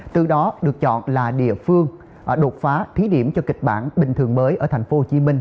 từ đó được chọn là địa phương đột phá thí điểm cho kịch bản bình thường mới ở thành phố hồ chí minh